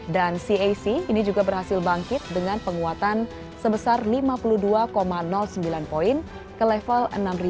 dan cac ini juga berhasil bangkit dengan penguatan sebesar lima puluh dua sembilan poin ke level enam